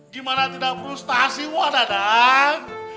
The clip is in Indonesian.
gimana tidak frustasi wah dadan